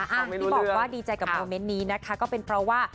อย่างที่บอกว่าดีใจกับโมเมนต์นี้นะคะก็เป็นเพราะว่า